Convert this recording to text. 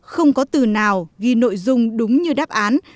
không có từ nào ghi nội dung đúng như đáp án